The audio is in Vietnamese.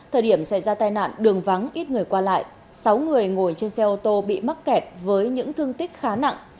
thời điểm xảy ra tai nạn đường vắng ít người qua lại sáu người ngồi trên xe ô tô bị mắc kẹt với những thương tích khá nặng